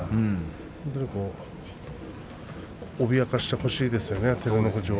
本当に脅かしてほしいですね照ノ富士。